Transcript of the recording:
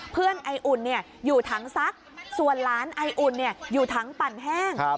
เพื่อนไออุ่นอยู่ทั้งซักส่วนล้านไออุ่นอยู่ทั้งปั่นแห้ง